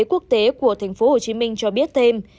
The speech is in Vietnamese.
quốc tế của tp hcm cho biết thêm